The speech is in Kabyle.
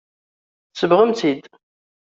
Tsebɣemt-tt-id.